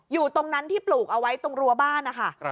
อยู่ตรงนั้นที่ปลูกเอาไว้ตรงรั้วบ้านนะคะ